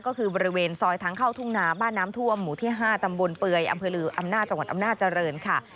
ก็คือบริเวณซอยทางเข้าทุ่งนาบ้านน้ำท่วมหมู่ที่๕ตำบลเปื่อยอำเภอลืออำนาจจังหวัดอำนาจเจริญค่ะ